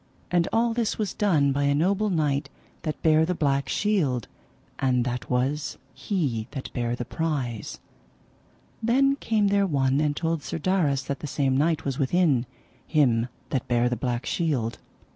And all this was done by a noble knight that bare the black shield, and that was he that bare the prize. Then came there one and told Sir Darras that the same knight was within, him that bare the black shield.